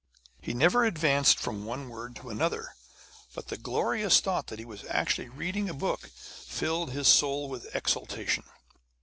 He never advanced from one word to another, but the glorious thought that he was actually reading a book filled his soul with exultation.